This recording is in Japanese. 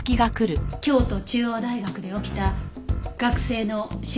京都中央大学で起きた学生の集団自殺事件。